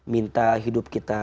minta hidup kita